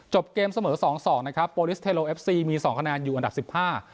เกมเสมอสองสองนะครับโปรลิสเทโลเอฟซีมีสองคะแนนอยู่อันดับสิบห้า